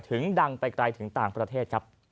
ดังไปไกลถึงต่างประเทศครับ